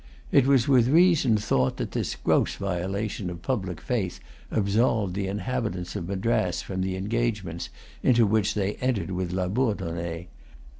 It was with reason thought that this gross violation of public faith absolved the inhabitants of Madras from the engagements into which they had entered with Labourdonnais.